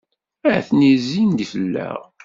Atni zzin-d fell-aɣ.